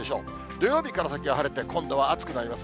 土曜日から先は晴れて、今度は暑くなります。